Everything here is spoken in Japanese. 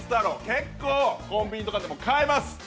結構コンビニとかでも買えます！